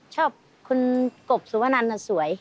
ชอบคุณกบสุวนันน่ะสวย